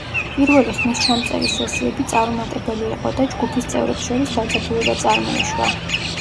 პირველი ხმისჩამწერი სესიები წარუმატებელი იყო და ჯგუფის წევრებს შორის დაძაბულობა წარმოიშვა.